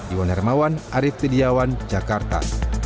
iwan hermawan arief tidiawan jakarta